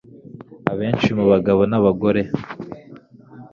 Abenshi mu bagabo nabagore